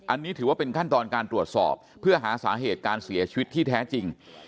อันนี้ถือว่าเป็นขั้นตอนการตรวจสอบเพื่อหาสาเหตุการเสียชีวิตที่แท้จริง